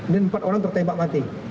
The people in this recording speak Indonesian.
dan empat orang tertembak mati